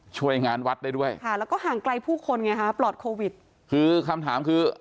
ช่วยงานวัดได้ด้วยค่ะแล้วก็ห่างไกลผู้คนไงฮะปลอดโควิดคือคำถามคือ